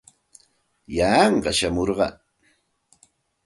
Yanqa shamurqaa.